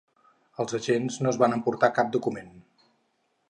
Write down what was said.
Els agents no es van emportar cap document.